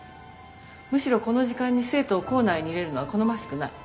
むしろこの時間に生徒を校内に入れるのは好ましくない。